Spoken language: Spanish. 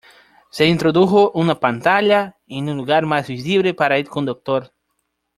Se introdujo una pantalla en un lugar más visible para el conductor.